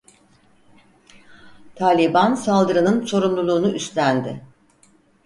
Taliban saldırının sorumluluğunu üstlendi.